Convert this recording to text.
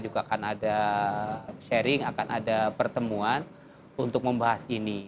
dengan beberapa advokat dengan pengurus kita juga akan ada sharing akan ada pertemuan untuk membahas ini